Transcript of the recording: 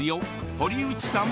岩内さん。